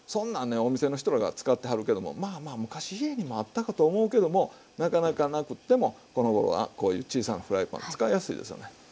お店の人らが使ってはるけどもまあまあ昔家にもあったかと思うけどもなかなかなくってもこのごろはこういう小さなフライパン使いやすいですよね。